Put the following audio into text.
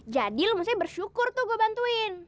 jadi lu mesti bersyukur tuh gua bantuin